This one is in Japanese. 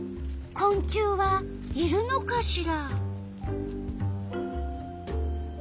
こん虫はいるのかしら？